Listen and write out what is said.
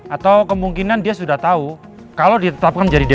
atau kemungkinan dia sudah tahu kalau ditetapkan jadi dpo